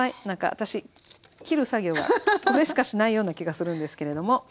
何か私切る作業はこれしかしないような気がするんですけれども。